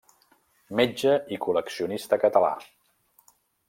Metge i col·leccionista català.